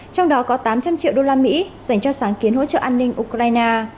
trong đó có tám trăm linh triệu usd dành cho sáng kiến hỗ trợ an ninh ukraine